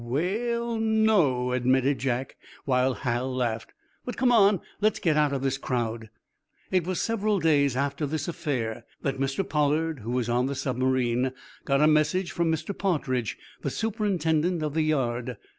"We ll, no," admitted Jack, while Hal laughed. "But come on; let's get out of this crowd." It was several days after this affair that Mr. Pollard, who was on the submarine, got a message from Mr. Partridge, the superintendent of the yard.